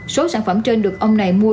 số sản phẩm trên được ông này mua